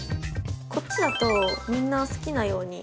こっちだとみんな好きなように。